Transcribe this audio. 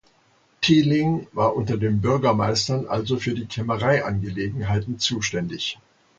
Thieling war unter den Bürgermeistern also für die Kämmereiangelegenheiten zuständig.